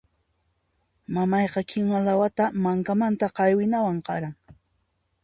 Mamayqa kinuwa lawata mankamanta qaywinawan qaran.